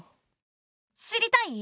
知りたい？